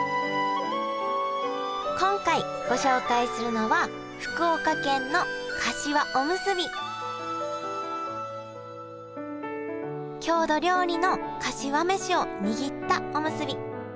今回ご紹介するのは郷土料理のかしわ飯を握ったおむすび。